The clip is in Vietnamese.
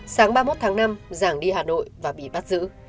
sáng ba mươi một tháng năm giảng đi hà nội và bị bắt giữ